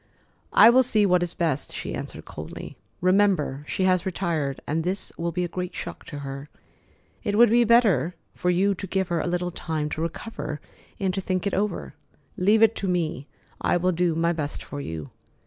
"I will see what is best," she answered coldly. "Remember she has retired, and this will be a great shock to her. It would be better for you to give her a little time to recover and to think it over. Leave it to me. I will do my best for you."